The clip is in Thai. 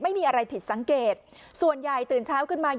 ไม่มีอะไรผิดสังเกตส่วนใหญ่ตื่นเช้าขึ้นมา